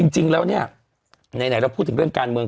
จริงแล้วเนี่ยไหนเราพูดถึงเรื่องการเมือง